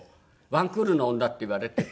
１クールの女って言われてて。